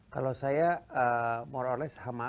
kalau saya more or less sama